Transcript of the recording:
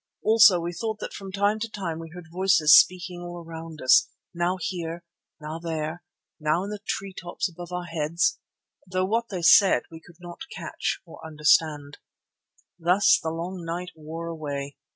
Also we thought that from time to time we heard voices speaking all around us, now here, now there and now in the tree tops above our heads, though what they said we could not catch or understand. Thus the long night wore away.